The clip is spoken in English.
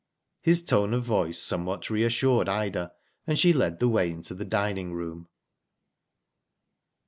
" His tone of voice somewhat reassured Ida, an<^ she led the way into the dining room.